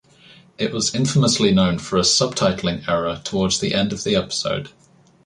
It was infamously known for a subtitling error towards the end of the episode.